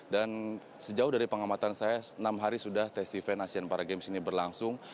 dan sejauh dari pengamatan saya enam hari sudah tes event asian para games ini berlangsung